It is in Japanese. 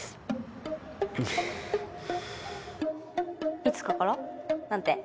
いつかから？なんて？